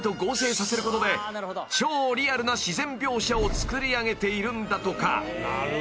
［超リアルな自然描写を作り上げているんだとか］